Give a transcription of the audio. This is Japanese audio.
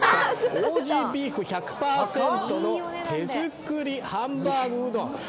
オージー・ビーフ１００％の手作りハンバーグうどん。